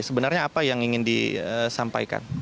sebenarnya apa yang ingin disampaikan